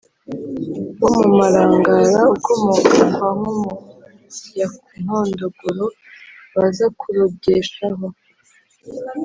wo mu marangara ukomoka kwa nkomo ya nkondogoro bazakurogeshaho,